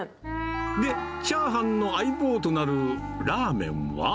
で、チャーハンの相棒となるラーメンは。